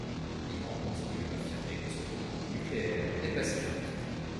L'Iran continue à affirmer que son programme nucléaire est pacifique.